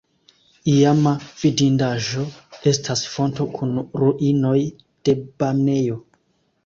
Iama vidindaĵo estas fonto kun ruinoj de banejo.